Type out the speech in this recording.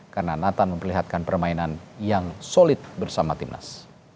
karena nathan memperlihatkan permainan yang solid bersama timnas